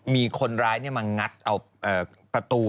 มีคนร้ายมางัดเอาประตู